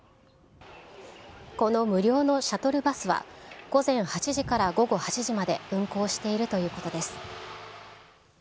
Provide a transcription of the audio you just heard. この無料のシャトルバスは、午前８時から午後８時まで、運行しているということです。